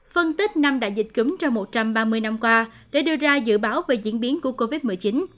phân tích năm đại dịch cúm trong một trăm ba mươi năm qua để đưa ra dự báo về diễn biến của covid một mươi chín